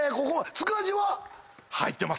塚地は？